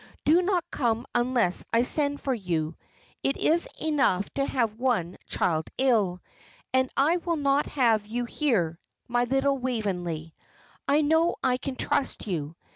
Do not come unless I send for you; it is enough to have one child ill, and I will not have you here, my little Waveney. I know I can trust you.